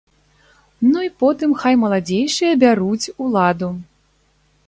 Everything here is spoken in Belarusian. Ну і потым хай маладзейшыя бяруць уладу!